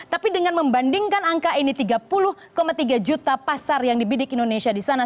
tapi dengan membandingkan angka ini tiga puluh tiga juta pasar yang dibidik indonesia di sana